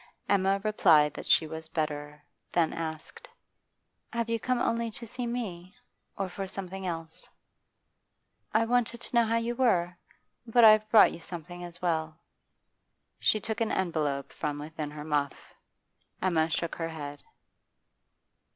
Emma replied that she was better, then asked: 'Have you come only to see me; or for something else?' 'I wanted to know how you were; but I've brought you something as well' She took an envelope from within her muff. Emma shook her head.